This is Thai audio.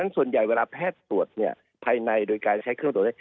ส่วนใหญ่เวลาแพทย์ตรวจภายในโดยการใช้เครื่องตรวจนี้